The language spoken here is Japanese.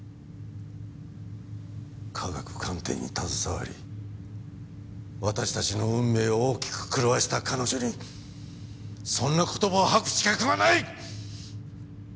科学鑑定に携わり私たちの運命を大きく狂わせた彼女にそんな言葉を吐く資格はない！